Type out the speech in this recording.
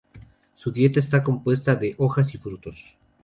Su dieta está compuesta de hojas y frutos.